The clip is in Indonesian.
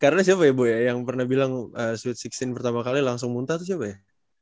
karena siapa ya bu ya yang pernah bilang sweet enam belas pertama kali langsung muntah siapa ya